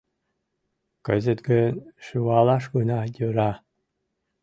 Кызыт гын шӱвалаш гына йӧра.